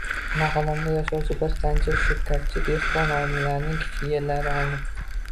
Mahallamda yashovchi bir qancha «shirkatchi» dehqon oilalarning kichik yerlari olinib